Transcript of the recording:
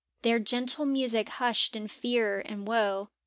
Their gentle music hushed in fear and woe.